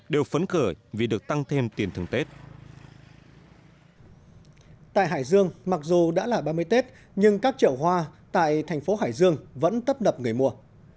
mặc dù đã là ba mươi tết nhưng các chợ hoa tại thành phố hải dương vẫn tấp đập người mùa